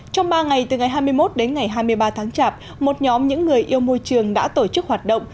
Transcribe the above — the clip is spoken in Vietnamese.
trong ba ngày từ ngày hai mươi một đến ngày hai mươi ba tháng chạp một nhóm những người yêu môi trường đã tổ chức hoạt động